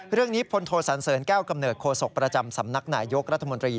พลโทสันเสริญแก้วกำเนิดโศกประจำสำนักนายยกรัฐมนตรี